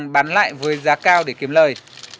cửa hàng bán lại với giá cao để kiếm lời